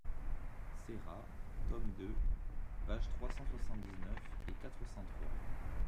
Serra, tome deux, pages trois cent soixante-dix-neuf et quatre cent trois.